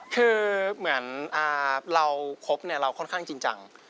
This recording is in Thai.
คือเหมือนเราคบเราค่อนข้างจริงจัง